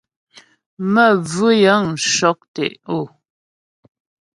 Məvʉ́ yə̂ŋ cɔ́k tə̀'ó.